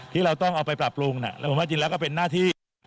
ที่เราต้องเอาไปปรับปรุงแล้วผมว่าจริงแล้วก็เป็นหน้าที่